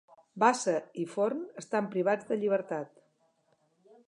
Bassa i Forn estan privats de llibertat